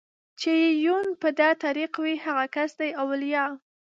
چې يې يون په دا طريق وي هغه کس دئ اوليا